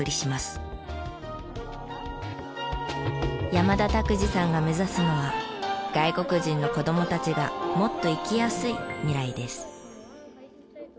山田拓路さんが目指すのは外国人の子供たちがもっと生きやすい未来です。